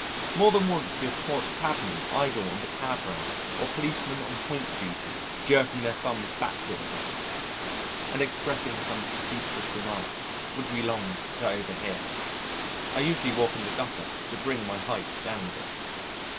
More than once we have caught cabmen idle on the cab rank or policemen on point duty jerking their thumbs backward at us and expressing some facetious remarks which we longed to overhear. I usually walk in the gutter to bring my height down a bit.